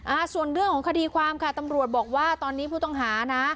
อ่าส่วนเรื่องของคดีความค่ะตำรวจบอกว่าตอนนี้ผู้ต้องหานะ